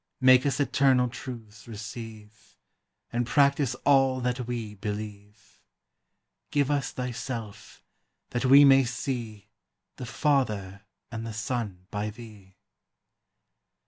Make us eternal truths receive, And practise all that we believe; Give us thyself, that we may see The Father and the Son by thee.